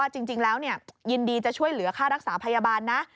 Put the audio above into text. จริงแล้วยินดีจะช่วยเหลือค่ารักษาพยาบาลนะ